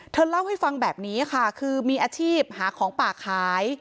เธอเล่าให้ฟังแบบนี้ค่ะคือมีอาชีพหาของป่าขาย